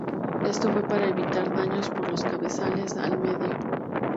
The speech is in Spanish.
Esto fue para evitar daños por los cabezales al medio.